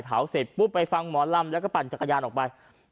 เสร็จปุ๊บไปฟังหมอลำแล้วก็ปั่นจักรยานออกไป